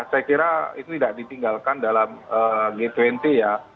saya kira itu tidak ditinggalkan dalam g dua puluh ya